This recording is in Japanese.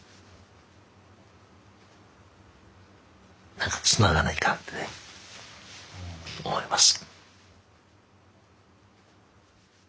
何かつながないかんってね思います。